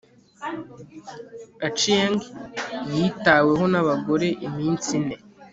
achieng 'yitaweho n'abagore iminsi ine